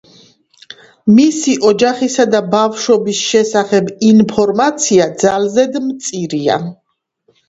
მისი ოჯახისა და ბავშვობის შესახებ ინფორმაცია ძალზედ მწირია.